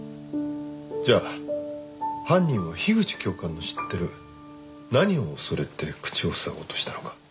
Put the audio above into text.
じゃあ犯人は樋口教官の知ってる何を恐れて口を塞ごうとしたのか。